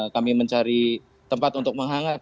kami mencari tempat untuk menghangat